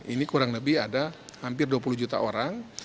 ini kurang lebih ada hampir dua puluh juta orang